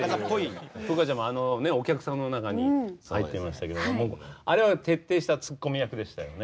風花ちゃんもあのお客さんの中に入ってましたけどもあれは徹底したツッコミ役でしたよね。